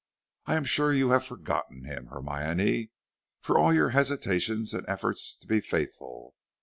I am sure you have forgotten him, Hermione, for all your hesitations and efforts to be faithful.